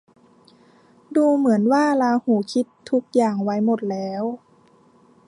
ดูเหมือนว่าราหูคิดทุกอย่างไว้หมดแล้ว